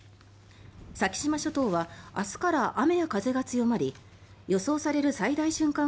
先島諸島は明日から雨や風が強まり予想される最大瞬間